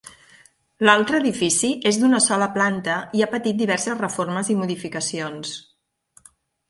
L'altre edifici és d'una sola planta i ha patit diverses reformes i modificacions.